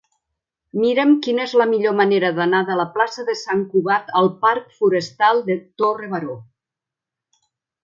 Mira'm quina és la millor manera d'anar de la plaça de Sant Cugat al parc Forestal de Torre Baró.